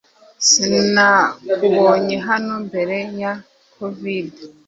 Sinakubonye hano mbere ya kovide